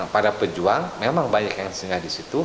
pada pejuang memang banyak yang tinggal di situ